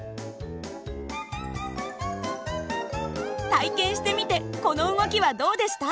体験してみてこの動きはどうでした？